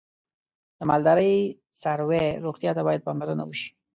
د مالدارۍ څاروی روغتیا ته باید پاملرنه وشي.